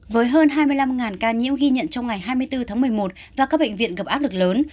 với hơn hai mươi năm ca nhiễm ghi nhận trong ngày hai mươi bốn tháng một mươi một và các bệnh viện gặp áp lực lớn